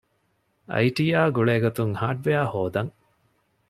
އައިޓީއާ ގުޅޭގޮތުން ހާރޑްވެއަރ ހޯދަން